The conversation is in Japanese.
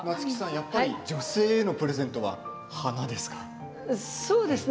やっぱり女性へのプレゼントは花ですか。